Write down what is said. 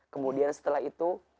kemudian setelah itu